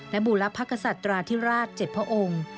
และบูรพกษัตราธิราช๗พระองค์